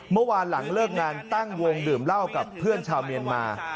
เมื่อวานหลังเลิกงานตั้งวงดื่มเหล้ากับเพื่อนชาวเมียนมา